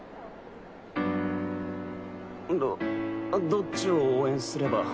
どどっちを応援すれば。